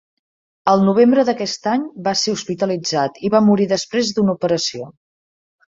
Al novembre d'aquest any, va ser hospitalitzat i va morir després d'una operació.